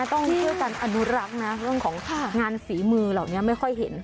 ต้องช่วยกันอนุรักษ์นะเรื่องของงานฝีมือเหล่านี้ไม่ค่อยเห็น